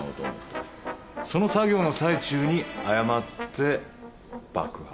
その作業の最中に誤って爆発。